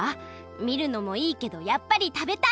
みるのもいいけどやっぱり食べたい！